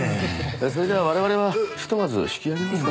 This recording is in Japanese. それじゃ我々はひとまず引き揚げますか。